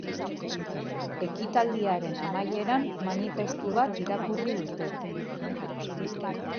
Ekitaldiaren amaieran, manifestu bat irakurri dute.